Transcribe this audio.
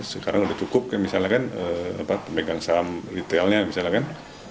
sekarang sudah cukup misalnya kan pemegang saham retailnya misalnya kan